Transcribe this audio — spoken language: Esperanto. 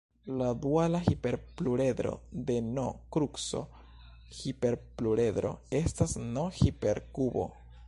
La duala hiperpluredro de "n"-kruco-hiperpluredro estas "n"-hiperkubo.